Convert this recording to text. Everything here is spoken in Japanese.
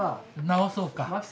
直そうか。